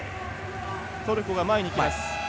トルコが前に行きます。